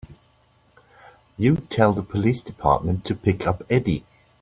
You tell the police department to pick up Eddie.